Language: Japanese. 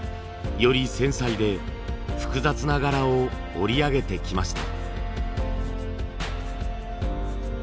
より繊細で複雑な柄を織りあげてきました。